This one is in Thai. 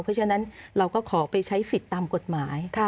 เพราะฉะนั้นเราก็ขอไปใช้สิทธิ์ตามกฎหมาย